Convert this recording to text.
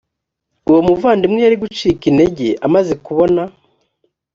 uwo muvandimwe yari gucika intege amaze kubona